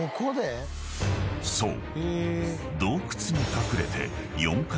［そう］